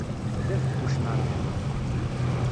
D abekkuc n ṛṛeḥma.